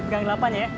gak ngelapan ya